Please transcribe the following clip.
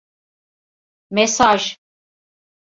Mesaj…